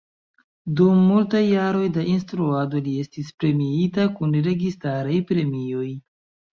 Dum multaj jaroj da instruado li estis premiita kun registaraj premioj.